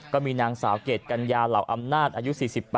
ก็มีนางสาวเกรดกัญญาเหล่าอำนาจอายุ๔๘